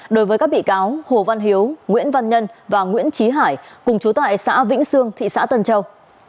đối với các bị cáo hồ văn hiếu nguyễn văn nhân và nguyễn trí hải cùng chú tại xã vĩnh sương thị xã tân châu